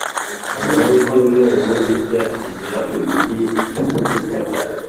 nyuma y’ibyumweru bike agera mu mugi n’ incuti ze